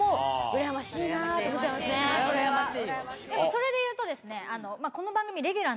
それでいうとですねこの番組。